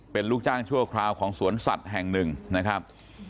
เป็นลูกจ้างชั่วคราวของสวนสัตว์แห่งหนึ่งนะครับ